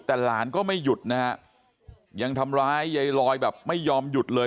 แต่หลานก็ไม่หยุดนะฮะยังทำร้ายยายลอยแบบไม่ยอมหยุดเลย